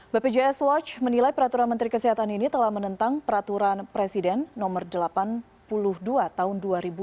bpjs watch menilai peraturan menteri kesehatan ini telah menentang peraturan presiden no delapan puluh dua tahun dua ribu dua puluh